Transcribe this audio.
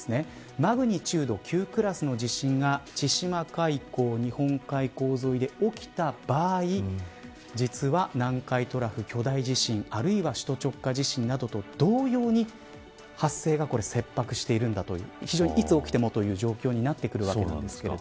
マグニチュード９クラスの地震が千島海溝、日本海溝沿いで起きた場合、実は南海トラフ巨大地震あるいは首都直下地震などと同様に発生が切迫しているんだといつ起きてもという状況になってくるわけです。